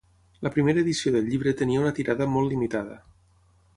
La primera edició del llibre tenia una tirada molt limitada.